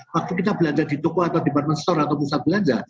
waktu kita belanja di toko atau department store atau pusat belanja